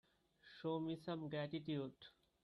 Show me some gratitude.